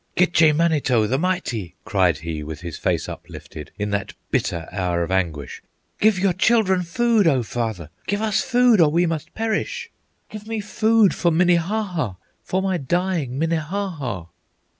"Gitche Manito, the Mighty!" Cried he with his face uplifted In that bitter hour of anguish, "Give your children food, O father! Give us food, or we must perish! Give me food for Minnehaha, For my dying Minnehaha!"